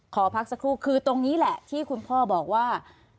ขอพักสักครู่คือตรงนี้แหละที่คุณพ่อบอกว่า